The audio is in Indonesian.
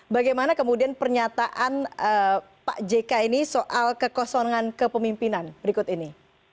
bagaimana kemudian pernyataan pak jk ini soal kekosongan kepemimpinan berikut ini